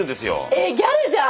えギャルじゃん！